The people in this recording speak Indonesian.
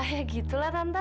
ya gitulah tante